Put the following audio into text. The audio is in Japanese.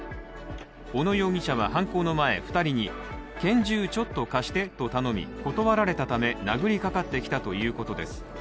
小野容疑者は犯行の前、２人に拳銃ちょっと貸してと頼み断られたため、殴りかかってきたということです。